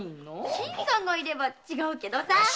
新さんがいれば違うけどさ！